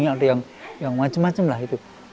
ada yang macam macam lah itu